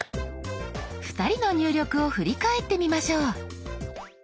２人の入力を振り返ってみましょう。